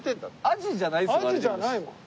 アジじゃないもん。